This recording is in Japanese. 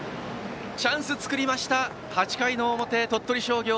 チャンスを作りました８回の表、鳥取商業。